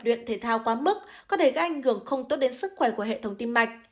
luyện thể thao quá mức có thể gây ảnh hưởng không tốt đến sức khỏe của hệ thống tim mạch